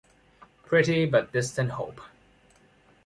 Pretty but distant hope.